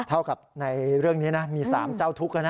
เท่ากับในเรื่องนี้มี๓เจ้าทุกข์